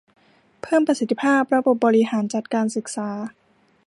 เพิ่มประสิทธิภาพระบบบริหารจัดการศึกษา